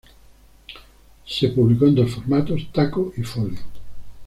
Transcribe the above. Se publicó en dos formatos, taco y folio.